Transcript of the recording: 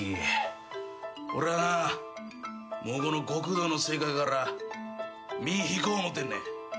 もうこの極道の世界から身引こう思うてんねん。